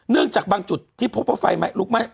เนื่องจากบางจุดที่พบไฟไม่ลุกมา